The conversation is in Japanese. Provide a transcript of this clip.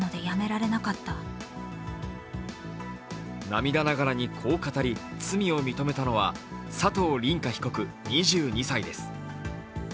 涙ながらにこう語り、罪を認めたのは佐藤凛果被告、２２歳です。